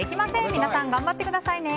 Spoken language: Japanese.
皆さん、頑張ってくださいね。